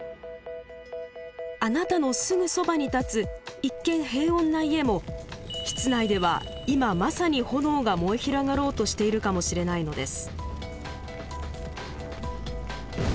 あなたのすぐそばに立つ一見平穏な家も室内では今まさに炎が燃え広がろうとしているかもしれないのです。